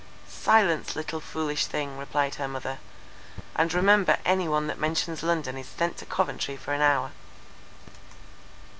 —"Silence, little foolish thing," replied her mother, "and remember any one that mentions London is sent to Coventry for an hour."